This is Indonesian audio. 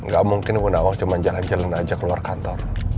gak mungkin munawah cuma jalan jalan aja keluar kantor